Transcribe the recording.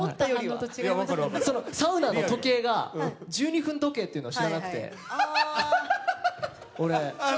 サウナの時計が１２分時計っていうのを知らなくて、俺。